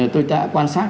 tôi đã quan sát